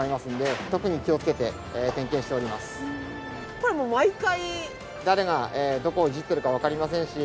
これも毎回？